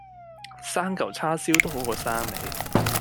生舊叉燒都好過生你